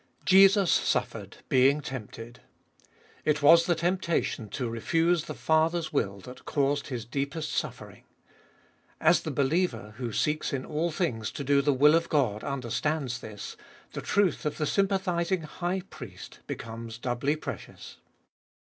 Jesus suffered, being tempted : it was the temptation to refuse the Father's will that caused His deepest suffering. As the believer, who seeks in all things to do the will of God, understands this, the truth of the sympathising High Priest becomes doubly precious.